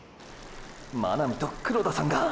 真波と黒田さんが！！